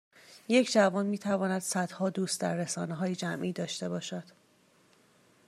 یک جوان میتواند صدها دوست در رسانههای جمعی داشته باشد